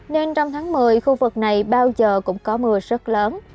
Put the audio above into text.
nên trong tháng một mươi khu vực này bao giờ cũng có mưa rất lớn